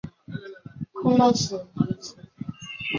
还有一类结合轿跑车与敞篷车特点的硬顶敞篷车。